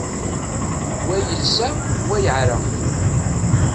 Wa yelsa, wa yeεra.